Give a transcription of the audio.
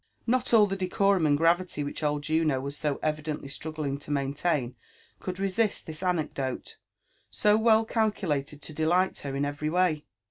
Not all the decorum and gravity which old Juno was so evidently struggling to maintain could resist this anecdote, so well calculated to delight her in every way.